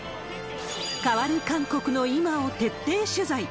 変わる韓国の今を徹底取材。